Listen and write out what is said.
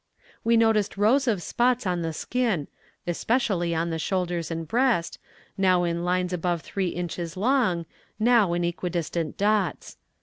"We noticed rows of spots on the skin, especially of the shoulders and breast, now in lines above three inches long, now in equidistant dots.